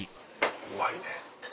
うまいね。